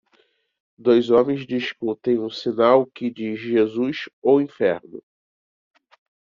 Dois homens discutem um sinal que diz Jesus ou Inferno.